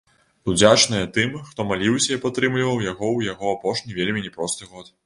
Удзячныя тым, хто маліўся і падтрымліваў яго ў яго апошні вельмі не проста год.